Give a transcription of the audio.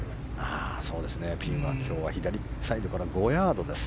ピンは今日は左サイドから５ヤードです。